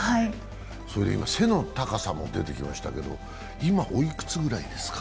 背の高さも出てきましたけど、今、おいくつぐらいですか？